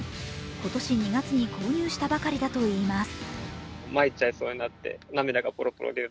今年２月に購入したばかりだといいます。